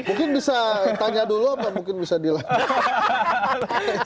mungkin bisa ditanya dulu atau mungkin bisa dilahirkan